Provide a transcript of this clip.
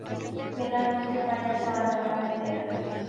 Finalmente Ibáñez abandonó la idea.